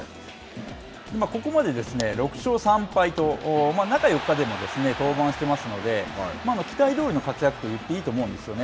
ここまで６勝３敗と中４日で登板してますので期待どおりの活躍と言っていいと思うんですね。